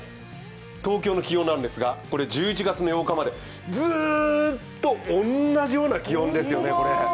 東京の気温ですが、１１月の８日までずーっと同じような気温ですよね。